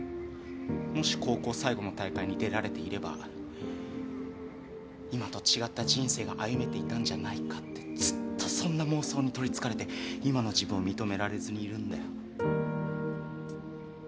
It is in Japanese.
もし高校最後の大会に出られていれば今と違った人生が歩めていたんじゃないかってずっとそんな妄想に取りつかれて今の自分を認められずにいるんだよ